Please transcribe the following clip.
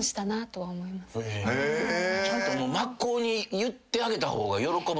真っ向に言ってあげた方が喜ぶ。